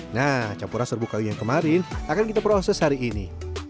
nah campuran serbu kayu yang kemarin akan kita proses hari ini